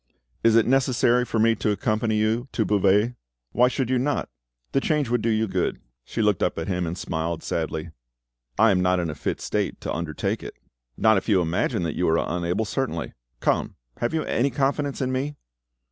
Is it necessary for me to accompany you to Beauvais?" "Why should you not? The change would do you good." She looked up at him and smiled sadly. "I am not in a fit state to undertake it." "Not if you imagine that you are unable, certainly. Come, have you any confidence in me?"